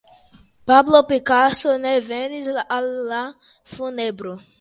Pablo Picasso ne venis al la funebro.